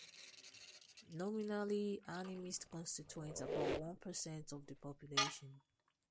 Nominally animists constitute about one percent of the population.